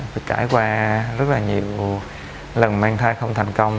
phải trải qua rất là nhiều lần mang thai không thành công